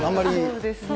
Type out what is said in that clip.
そうですね。